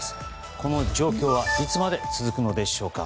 この状況はいつまで続くのでしょうか。